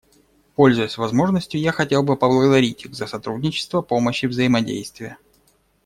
Пользуясь возможностью, я хотел бы поблагодарить их за сотрудничество, помощь и взаимодействие.